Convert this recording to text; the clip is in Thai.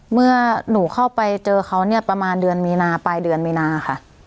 เมื่อหนูเข้าไปเจอเขาเนี่ยประมาณเดือนมีนาปลายเดือนมีนาค่ะ